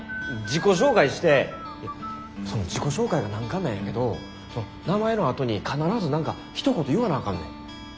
自己紹介してその自己紹介が難関なんやけどその名前のあとに必ず何かひと言言わなあかんねん。